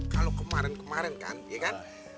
kalau kemarin kemarin kan ya kan